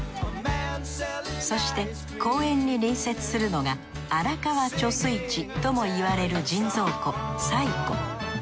そして公園に隣接するのが荒川貯水池ともいわれる人造湖彩湖。